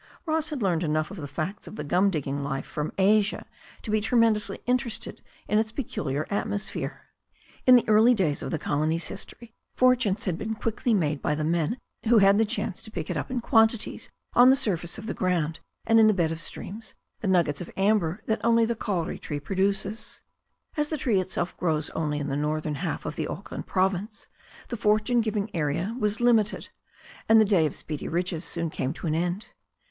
Ross had learned enough of the facts of the gum digging life from Asia to be tremendously interested in its peculiar atmosphere. In the early days of the colon/s history fortunes had been quickly made by the men who had the chance to pick up in quantities, on the surface of the ground and in the beds of streams, the nuggets of amber gum that only the kauri tree produces. As the tree itself grows only in the northern half of the Auckland province, the fortune giving area was limited, and the day of speedy riches soon came to an end.